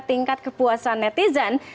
tingkat kepuasan netizen